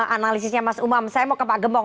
analisisnya mas umam saya mau ke pak gembong